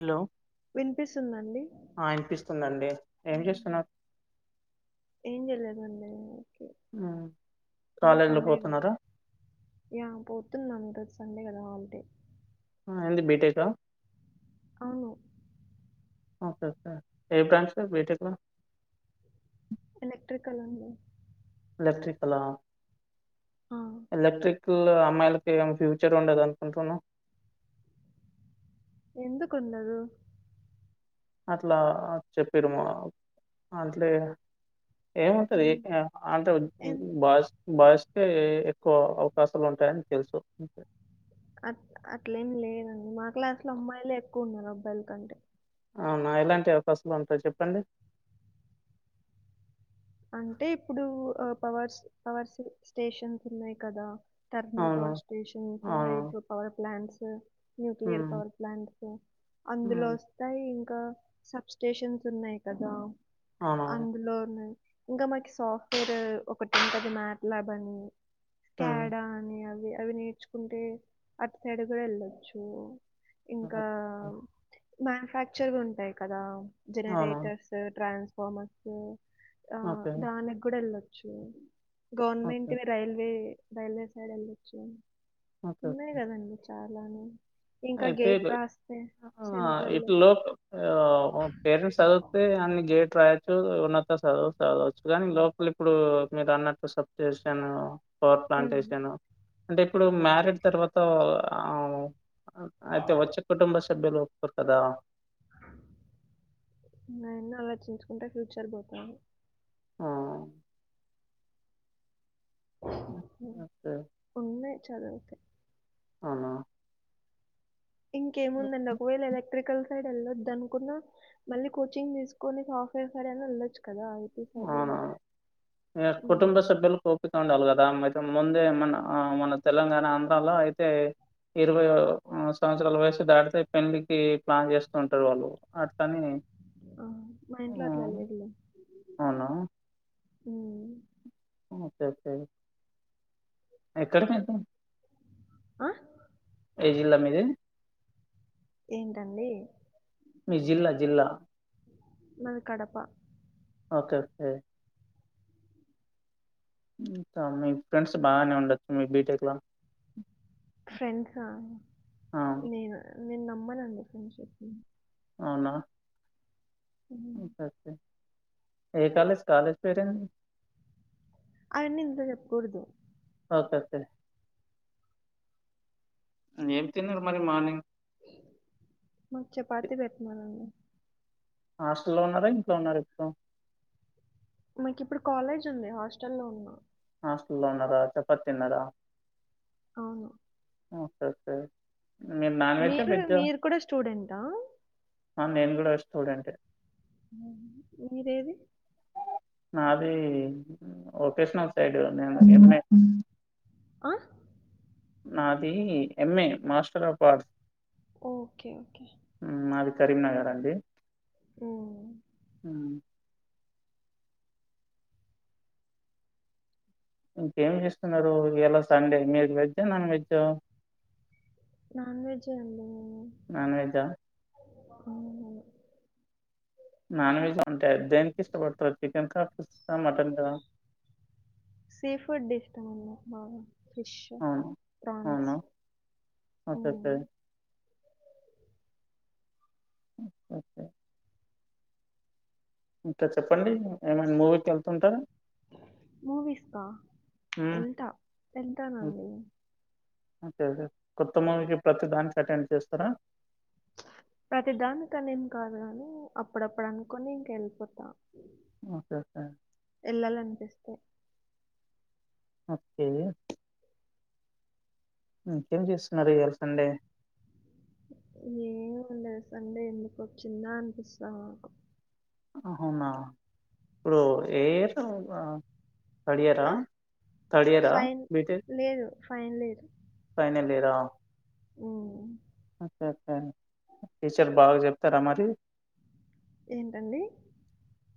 Hello వినిపిస్తుంద అండి ఆ వినిపిస్తుందండి ఏం మ్ చేస్తున్నారు ఏం చేయలేదండి ఉకే ఉమ్, ఈ రోజు కాలేజీలో సండేగా పోతున్నారా యా పోతున్నాం ఈరోజు సండే కదా! హాలిడే. ఆ ఏంది బీటెక్ ఆ అవును ఓకె ఓకె. ఏ బ్రాంచ్ బీటెక్? ఎలెక్ట్రికల్ అండి ఎలక్ట్రికల్ ఆ ఆ ఎలెక్ట్రిక్ కల్ అమ్మాయిలకి, ఏం ఫ్యూచర్ ఉండదు అనుకుంటున్నా. ఎందుకు ఉండదు అట్లా చెప్పిర్రు మా అట్లే ఏమంత వే అట్లేం అంత ఎందు బస్ బాయ్స్ కే ఎక్కువ అవకాశాలు ఉంటాయని తెలుసు అంతే అట్ల అట్లేమి లేదండి మా క్లాస్ లో అమ్మాయిలే ఎక్కువ ఉన్నారు అబ్బాయిల కంటే. అవునా ఎలాంటి అవకాశాలు ఉంటాయి చెప్పండి అంటే ఇప్పుడు ఆ పవర్స్ పవర్ స్టేషన్స్ ఉన్నాయి కదా! థర్మల్ అవును పవర్ స్టేషన్స్, అవును హైడ్రో పవర్ ప్లాట్స్ న్యూక్లియర్ మ్మ్ పవర్ ప్లాంట్స్ అందులో మ్మ్ వస్ తాయి ఇంకా, సబ్ స్టేషన్స్ ఉన్నాయి కదా అవునవును అందులో ఉన్నాయి. ఇంకా మాకి సాఫ్ట్వేర్ ఒకటి ఉంటది మ్యాట్ లాబ్ అని మ్మ్ స్కాడా అని అవి అవి నేర్చుకుంటే అటు సైడ్ కూడా వెళ్ళొచ్చు. ఇంకా అవునవును ఓకే మ్యానుఫ్యాక్చర్ గా ఉంటాయి కదా అవును జనరేటర్స్ లేదా ట్రాన్స్ఫార్మర్స్ ఆ ఓకే దానికి కూడా వెళ్ళొచ్చు ఓకే గవర్నమెంట్ వి రైల్వే రైల్వే సైడ్ వెళ్ళొచ్చు ఓకే. ఉన్నాయి ఓకే. కదండి చాలానే ఇంకా అయితే గేట్ రాస్తే సెంట్రల్ లో ఏవ్ పేరెంట్స్ చదివిత్తే అన్ని గేట్ రాయొచ్చు, ఉన్నత చదువులు చదవచ్చు గాని, లోక్ మళ్ళీ ఇప్పుడు మీరు అన్నట్టు సబ్స్టేషన్ పవర్ ఉమ్ ప్లాంటేషన్, అంటే ఇప్పుడు మ్యారిడ్ తర్వాత, ఆ ఊ అయితే, వచ్చే కుటుంబ సభ్యలు ఒప్పుకోరు కదా అవ్వన్నీ ఆలోచించుకుంటే ఫ్యూచర్ పోతాది ఆ మ్ ఓకే. ఉన్నాయి చదువుతే అవునా ఇంకేముందండి ఒకవేళ ఎలక్ట్రికల్ సైడ్ వెళ్ళొద్దు అనుకున్న మళ్ళీ కోచింగ్ తీసుకొని సాఫ్ట్వేర్ సైడ్ అయినా వెళ్లొచ్చు కదా సైడ్ అవునా ఆ ఉమ్, కుటుంబ సభ్యులకో సూచి ఉండాలి కదా అయితే ముందే మన మన తెలంగాణ ఆంధ్రాలో అయితే ఇరవై సంవత్సరాల వయసు దాడితే పెళ్ళికి ప్లాన్ చేస్తూ ఉంటారు వాళ్ళు అట్లనీ ఆ, మా ఇంట్లో అట్లా లేదులే. అవునా ఉ ఓకే, ఓకే. ఎక్కడ మీది ఆ? ఏ జిల్లా మీది? ఏంటండి మీ జిల్లా జిల్లా మాదీ కడప ఓకే ఓకే అంతా, మీ ఫ్రెండ్స్ బాగానే ఉండొచ్చు. మీ బీటెక్ లో ఫ్రెండ్స్ ఆ! నేను నామన్నాడి ఫ్రెండ్‌షిప్‌ని. అవునా ఉ ఫస్ట్ డే, ఏ కాలేజ్ కాలేజ్ పేరు ఏందీ అయన్నీ, ఇంట్లో చెప్పకూడదు. Okay, okay. ఏం తిన్నారు మరి మార్నింగ్ మాకు చపాతి పెడుతున్నారండీ హాస్టల్లో ఉన్నారా? ఇంట్లో ఉన్నారు ఇప్పుడు? మనకి ఇప్పుడు కాలేజ్ ఉంది హాస్టల్ లో ఉన్న హాస్టల్లో ఉన్నారా చపాతి తిన్నారా అవును. ఓకే ఓకే మీరు నాన్ వెజ్జా మీరు వెజ్జా మీరు కూడా స్టూడెంటా అవును, నేను కూడా ఓ స్టూడెంట్. అవును. మీది ఏది నా అది ఒకేషనల్ సైడ్ ఎం ఏ ఆ నాది MA master of arts okay, okay. మాది కరీంనగర్ అండి, ఓకే ఊ ఇంకేం చేస్తున్నారు ఇవ్వాళ సండే మీరు వెజ్ ఆ నాన్ వెజ్ ఆ నాన్ వెజ్ అండీ నీను నాన్ వెజ్ ఆ అవును. నాన్ వెజ్ ఉంటే, దేనికి ఇష్టపడతారు. చికెన్ కా ఆర్ మటన్ కా. సీ ఫుడ్ ఇష్టం అండి మాకు ఫిష్, అవును ఫ్రాన్స్. అవునా ఉ ఓకే ఓకే ఓకే ఇంకా చెప్పండి ఏమైనా మూవీకి వెళ్తుంటారా మూవీస్‌కా! ఎళ్తా, ఎళ్తానండి. నాకూ తెలిసి అయితే, కొత్త మూవీకి ప్రతి దానికి అటెండ్ చేస్తారా ప్రతిదానిక నేం కాదు కాని అప్పుడప్పుడు అనుకొని ఇంక వెళ్ళిపోతా ఓకే ఓకే వెళ్ళాల అనిపిస్తాయి ఓకే ఇంకేం చేస్తున్నారు ఇయ్యాల సండే ఏం ఉండదు సండే ఎందుకు వచ్చిందా అనిపిస్తాది నాకు అహావునా ఇప్పుడు ఏ ఇయర్ [unintelligible] తడియరా ఆ తడియరా బీటెక్ ఫైనల్ ఇయర్ ఫైనల్ ఇయరా ఉమ్ ఓకే ఓకే టీచర్ బాగా చెప్తారా మరి ఏంటండి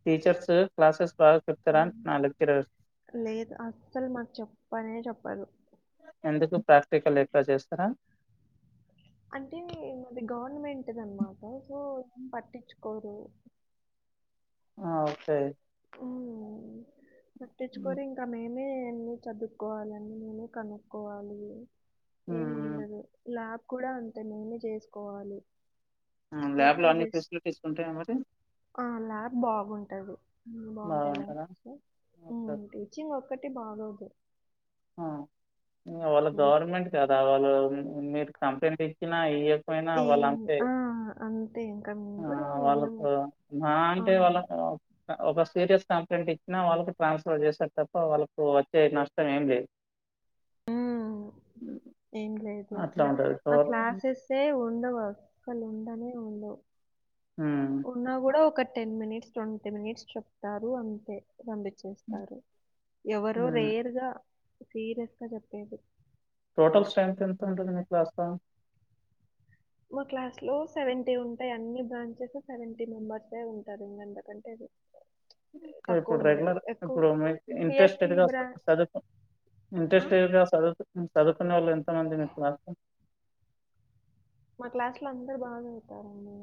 టీచర్స్ క్లాసెస్ బాగా ఆ చెప్తరా అంటున్నా లెక్చర్లు లేదు అస్సలు మాకు చెప్పనే చెప్పదు ఎందుకు ప్రాక్టికల్ ఎక్కువ చేస్తారా అంటే మాది గవర్నమెంటది అన్న మాట సో ఏం పట్టించుకోరు ఆ ఓకే ఓ ఊ హ్మ్. పట్టించుకోరూ ఇంకా మేమే అన్ని చదువు కనుకోవాలని నేను కనుక్కోవాలి హ్మ్. ఏముండదు లాబ్ కూడా అంత నేనే చేసుకోవాలి ల్యాబ్ లో అన్ని ఫెసిలిటీస్ ఉంటాయా మరి ఆ ల్యాబ్ బాగుంటది బాగుంటాయి బాగుంటదా? Labs okay. హమ్ ఓకే. టీచింగ్ ఒక్కటి బాగోదు వాళ్ళ మ్మ్. గవర్నమెంట్ కదా వాళ్ళు మీరు కంపెనీ ఇచ్చిన ఈయకపోయిన ఈ వాళ్ళు అంతే ఆ, అంతే ఇంకా మేము ఆ కూడా ఏం ఇయ్యము వాళ్ళతో మహా ఆ, అంటే వాళ్ళకు ఒక సీరియస్ కంప్లైంట్ ఇచ్చినా వాళ్ళకి ట్రాన్స్ఫర్ చేస్తరు తప్ప వాళ్ళకు వచ్చే నష్టం ఏం లేదు మ్మ్. ఏం లేదు అట్లా అట్లే ఉంటది మా గవర్ క్లాసెస్ సే ఉండవు అసలు ఉండనే ఉండవు ఉమ్ ఉన్నా కూడా ఒక టెన్ మినిట్స్ ట్వంటీ మినిట్స్ చెప్తారు అంతే పంపించేస్తారు ఎవరో హ్మ్ రేర్ గా సీరియస్ గా చెప్పేది టోటల్ స్ట్రెంత్ ఎంత ఉంటుంది మీ క్లాస్ మా క్లాస్ లో సెవెంటీ ఉంటాయి అన్ని బ్రాంచెస్ సెవెంటీ మెంబర్స్ ఉంటారు ఇందుకంటే ఇప్పుడు రెగ్యులర్ ఎక్కువ ఇప్పుడు మీకు ఇంట్రెస్టెడ్ సిఎస్సి గా బ్రా చదుత ఆ? ఇంట్రెస్టిగా చదువు చదువుకునే వాళ్ళు ఎంతమంది మీకు క్లాస్ లో మా క్లాస్ లో అందరు బానే చదుతారండీ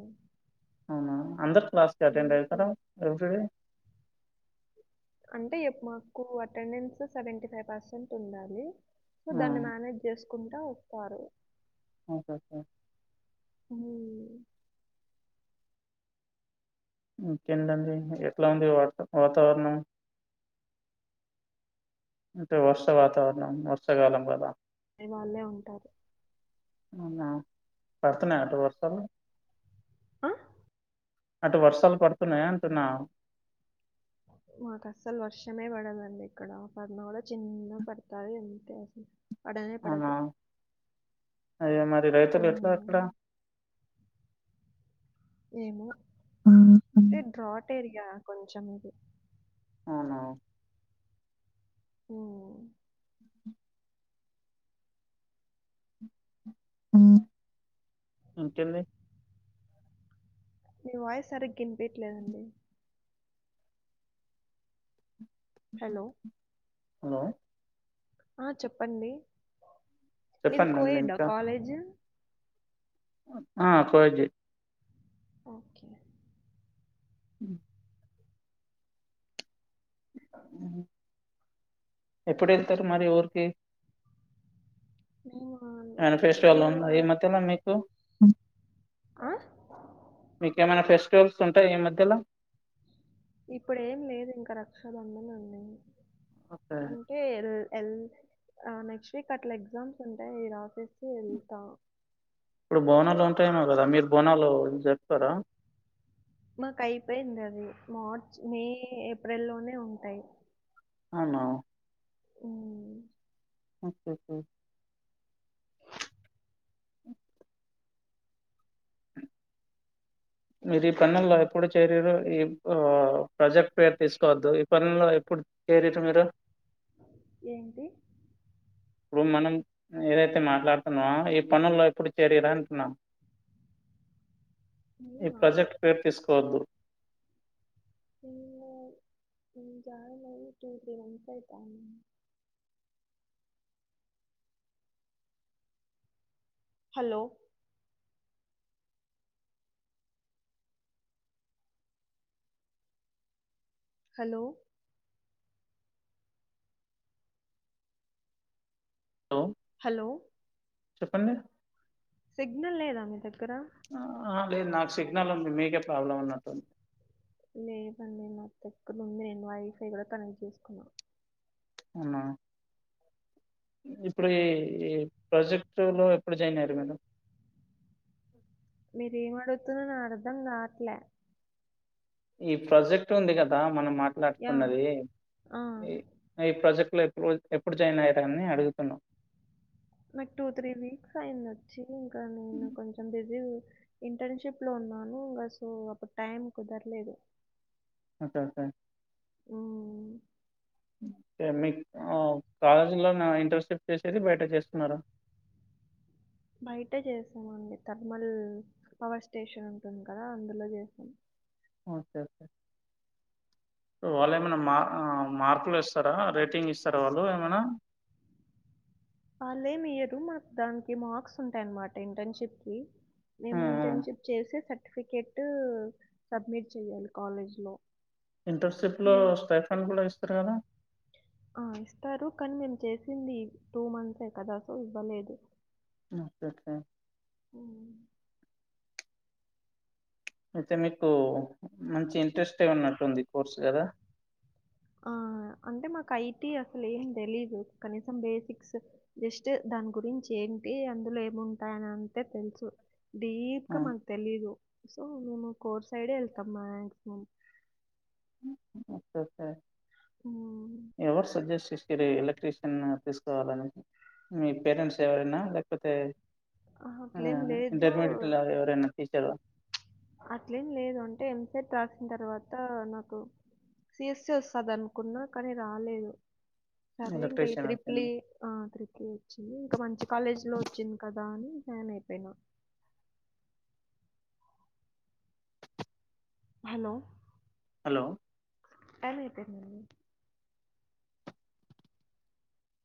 అవునా అందరు క్లాస్ అటెండ్ అవుతారా ఎవ్రీడే అంటే మాకు అటెండెన్స్ సెవెంటీ ఫైవ్ పర్సెంట్ ఉండాలి సో దాన్ని మేనజ్ చేసుకుంటా వస్తారు ఓకే సార్ హు ఇంకేంటండి ఎట్లా ఉంది వాత వాతావరణం అంటే వర్ష వాతావరణం వర్షాకాలం కదా అనే వాళ్ళే ఉంటారు అవునా పడుతున్నాయా అటు వర్షాలు ఆ అటు వర్షాలు పడుతున్నాయా అంటున్నా మాకు అస్సలు వర్షమే పడదండి ఇక్కడ పడిన కూడా చిన్న పడుతది అంతే అసలు పడనే అవునా పడదు అయ్యో మరి రైతులు ఎట్లా అక్క హ్మ్. ఏమో అంటే డ్రాట్ ఏరియా కొంచెం ఇది అవునా ఓ మ్ ఇకేంది నీ వాయిస్ సరిగా ఇనిపీట్లేదండి హలో హలో ఆ చెప్పండి మీది చెప్పండండి కోయిడ్డా ఇంకా కాలేజీ ఆ కోయిడ్డే ఓకే మ్ అ ఎప్పుడు ఎళ్తారు మరి ఊరికి నీవాన్ ఏవన్నా ఫెస్టివల్ ఉంద ఈ మధ్యలో మీకు అ మీకేమైనా ఫెస్టివల్స్ ఉంటాయి ఈ మధ్యల ఇప్పుడు ఏం లేదు ఇంకా రక్షా బంధన్ ఉండింది ఓకే, అంటే ఎళ్ ఆ నెక్స్ట్ వీక్ అట్లా ఎగ్జామ్స్ ఉంటాయి రాసేసి వెళ్తా ఇప్పుడు బోనాలు ఉంటాయేమో కదా మీరు బోనాలు జరుపుకోర మాకు అయిపోయింది అది మార్చ్ మే ఏప్రిల్ లోనే ఉంటాయి అవున మ్మ్ ఓకే కే [inaudible] మీరు ఈ పనుల్లో ఎప్పుడు చేరేరో ఈ ఆ ప్రాజెక్ట్ పేరు తీసుకోవద్దు ఈ పనుల్లో ఎప్పుడు ఏరైతే మీరు ఏంటి ఇప్పుడు మనం ఏదైతే మాట్లాడుతున్నావ ఈ పనుల్లో ఎప్పుడు చేరేరా అంటున్నా ఈ నేనా ప్రాజెక్ట్ పేరు తీసుకోవద్దు ఏమో మరి నేను జాయిన్ అయ్యి టూ త్రీ వంత్స్ అయితా హలో హలో హలో హలో చెప్పండి సిగ్నల్ లేదా మీ దగ్గర ఆ లేదు నాకు సిగ్నల్ ఉంది మీకే ప్రాబ్లమ్ ఉన్నట్టుంది లేదండి మాకు ఎక్కడుంది నేను వైఫై కూడా కనెక్ట్ చేసుకున్నా అవునా ఇప్పుడు ఈ ఈ ప్రాజెక్ట్లో ఎప్పుడు జాయిన్ అయ్యారు మేడం మీరేం అడుగుతున్న నాకు అర్ధం కాట్లే ఈ ప్రాజెక్ట్ ఉంది కదా మనం యా మాట్లాడుతున్నది ఆ ఈ ప్రాజెక్ట్ లో ఎప్పుడు ఎప్పుడు జాయిన్ అయ్యార అని అడుగుతున్నా. నాకు టూ త్రీ వీక్స్ అయింది వచ్చి ఇంకా నేను కొంచెం బిజీ. ఇంటర్న్షిప్ లో ఉన్నాను ఇంకా సో అప్పుడు టైం కుదరలేదు. Okay okay. ఊ. మీకు కాలేజీ లో ఇంటర్షప్ చేసేది బయట చేస్తున్నార. బయట చేస్తామండి థర్మల్ పవర్ స్టేషన్ ఉంటుంది కదా అందులో చేసాం. Okay okay. వాళ్ళు ఏమైనా మా మార్కులు లేస్తారా రేటింగ్ ఇస్తారా వాళ్ళు ఏమైనా. వాళ్ళేమి ఇయరు మా దానికి మార్క్స్ ఉంటాయ అన్నమాట ఇంటర్న్షిప్ కి మేము హ్మ్. హ్మ్. ఇంటర్న్షిప్ చేసే సర్టిఫికేట్ సబ్మిట్ చేయ్యాలి కాలేజ్ లో ఇంటర్న్షిప్ లో స్టైఫాన్ కూడా ఇస్తారు కదా. ఆ ఇస్తారు కానీ మేము చేసింది టూ మంత్సే కదా సో ఇవ్వలేదు. ఒకే. ఉ. అయితే మీకు మంచి ఇంట్రెస్ట్ ఉన్నట్టుంది కోర్స్ కదా. ఆ అంటే మాకు ఐటీ అసలు ఏం తెలీదు కనీసం బేసిక్స్. జస్ట్ దాని గురించి ఏంటి అందులో ఏముంటాయని అంతే తెలుసు. డీప్ ఆ! గా మాకు తెలీదు సో మేము కోర్ సైడే వెళ్తాం మాక్సిమం. ఓకే. ఉ. ఎవరు సజెస్ట్ చేసి ఎలక్ట్ర్రిషియన్ తీసుకోవాలని. మీ పేరెంట్స్ ఎవరైనా లేకపోతే అహా! అట్లేం లేదు. ఇంటర్మీడియట్లో ఎవరైనా. తీసావా. అట్లేం లేదు అంటే ఎంసెట్ రాసిన తర్వాత నాకు. సిస్ వస్తదనుకున్న కానీ రాలేదు సరే ఇంకా ఈ ఎలక్ట్రీషియన్ త్రిప్లి. వచ్చింది. ఆ ట్రిపుల్ ఐ వచ్చింది ఇంకా మంచి కాలేజ్ లో వచ్చింది కదా అని జాయిన్ అయిపోయినా. హలో. హలో. ఏమైతది.